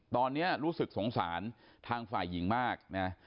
ตอนนี้รู้สึกสงสารทางฝ่ายหญิงมากนะ